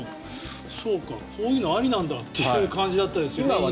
そうか、こういうのありなんだという感じでしたね印象は。